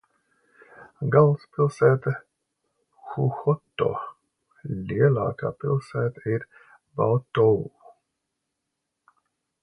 Galvaspilsēta – Huhoto, lielākā pilsēta ir Baotou.